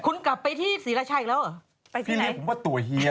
คุณกลับไปที่ศรีราชาอีกแล้วเหรอ